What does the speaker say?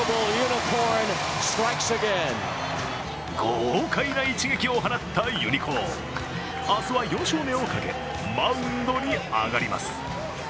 豪快な一撃を放ったユニコーン、明日は４勝目をかけ、マウンドに上がります。